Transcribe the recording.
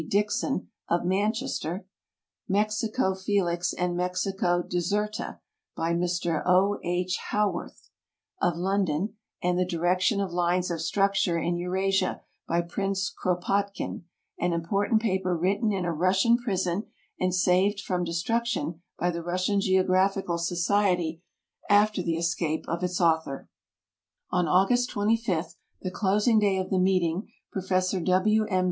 Dixon, of Man chester; Mexico Felix and Mexico Deserta, by MrO. II. llowarth. 17 250 THE BRITISH ASSOCIATION of London, and The Direction of Lines of Structure in Eurasia, by Prince Kropotkin, an imijortant paper written in a Russian prison and saved from destruction by the Russian Geographical Society after the escape of its author. On August 25, the closing day of the meeting, Prof. W. M.